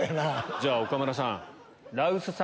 じゃあ岡村さん。